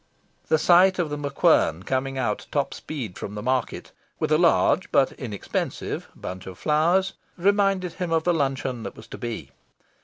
The sight of The MacQuern coming out top speed from the Market, with a large but inexpensive bunch of flowers, reminded him of the luncheon that was to be.